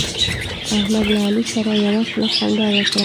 احمد له علي سره یوه خوله خندا وکړه.